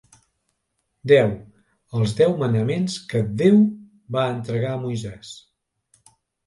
Deu: els deu manaments que Déu va entregar a Moisès.